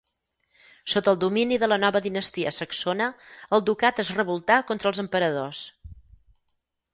Sota el domini de la nova dinastia saxona, el ducat es revoltà contra els emperadors.